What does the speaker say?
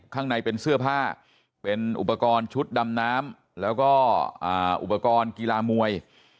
ข้างในเป็นเสื้อผ้าเป็นอุปกรณ์ชุดดำน้ำแล้วก็อุปกรณ์กีฬามวย